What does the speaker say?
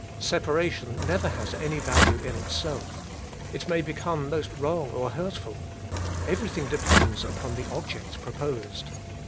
Separation never has any value in itself ; it may become most wrong or hurtful ; everything depends upon the object proposed.